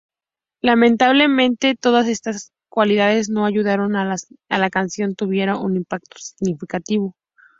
Lamentablemente todas estas cualidades no ayudaron a que la canción tuviera un impacto significativo.